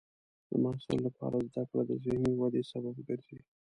د محصل لپاره زده کړه د ذهني ودې سبب ګرځي.